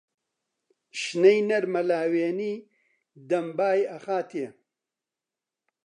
شنەی نەرمە لاوێنی دەم بای ئەخاتێ.